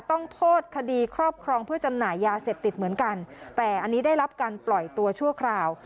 ต้องโทษคดีครอบครองเพื่อจำหน่ายยาเสพติดเหมือนกันแต่อันนี้ได้รับการปล่อยตัวชั่วคราว